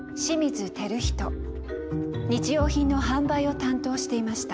日用品の販売を担当していました。